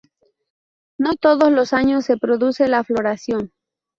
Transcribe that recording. No todos los años se produce la floración.